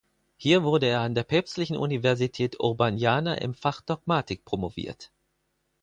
Hier wurde er an der Päpstlichen Universität Urbaniana im Fach Dogmatik promoviert.